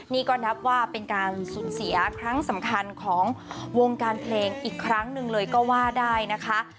นี่ก็นับว่าเป็นการสูญเสียครั้งสำคัญของวงการเพลงอีกครั้งหนึ่งเลยก็ว่าได้นะคะ